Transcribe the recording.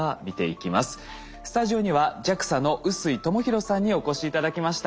スタジオにはＪＡＸＡの臼井寛裕さんにお越し頂きました。